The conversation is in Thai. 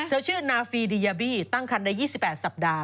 เธอชื่อนาฟีดียาบีตั้งครรภ์ใน๒๘สัปดาห์